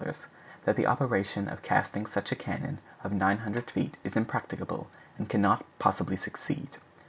—That the operation of casting a cannon of 900 feet is impracticable, and cannot possibly succeed.